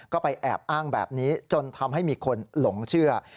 ก็ไปแอบอ้างแบบนี้จนทำให้มีคนหลงเชื่อ